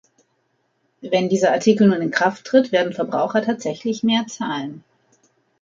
Wenn dieser Artikel nun in Kraft tritt, werden Verbraucher tatsächlich mehr zahlen.